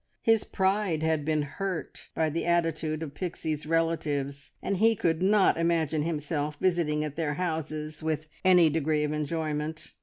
His pride had been hurt by the attitude of Pixie's relatives, and he could not imagine himself visiting at their houses with any degree of enjoyment.